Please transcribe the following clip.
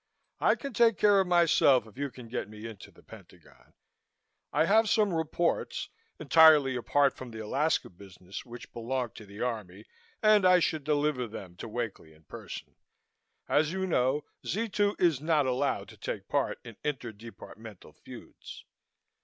I can take care of myself, if you can get me into the Pentagon. I have some reports, entirely apart from the Alaska business, which belong to the Army and I should deliver them to Wakely in person. As you know, Z 2 is not allowed to take part in interdepartmental feuds."